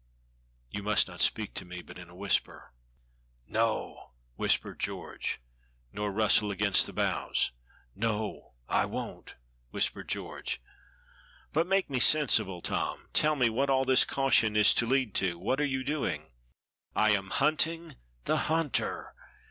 You must not speak to me but in a whisper." "No!" whispered George. "Nor rustle against the boughs." "No, I won't," whispered George. "But make me sensible, Tom. Tell me what all this caution is to lead to. What are you doing?" "I AM HUNTING THE HUNTER!"